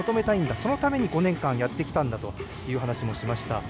そのために５年間やってきたんだと話しました。